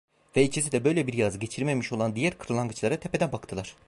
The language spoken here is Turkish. Ve ikisi de, böyle bir yaz geçirmemiş olan diğer kırlangıçlara tepeden baktılar…